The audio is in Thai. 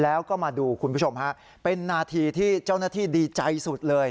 แล้วก็มาดูคุณผู้ชมฮะเป็นนาทีที่เจ้าหน้าที่ดีใจสุดเลย